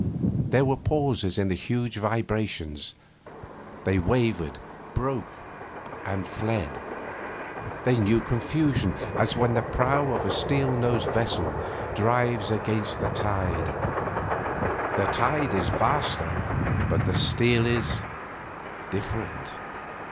There were pauses in the huge vibrations: they wavered, broke, and fled. They knew confusion, as when the prow of a steel nosed vessel drives against the tide. The tide is vaster, but the steel is different.